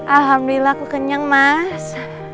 alhamdulillah aku kenyang mas